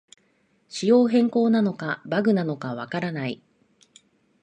仕様変更なのかバグなのかわからない